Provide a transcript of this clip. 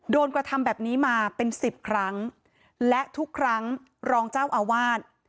กระทำแบบนี้มาเป็นสิบครั้งและทุกครั้งรองเจ้าอาวาส